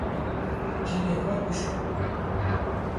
Cilên xwe bişo